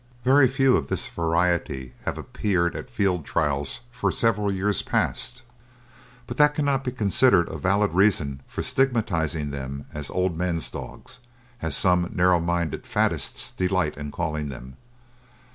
Very few of this variety have appeared at field trials for several years past, but that cannot be considered a valid reason for stigmatising them as "old men's dogs," as some narrow minded faddists delight in calling them.